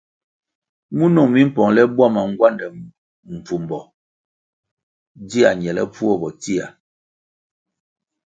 Munung mi mpongle bwama ngwande mbvumbo dzia ñelepfuo bo tsia.